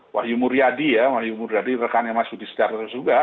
wahyu muryadi ya wahyu murdadi rekannya mas budi setiarto juga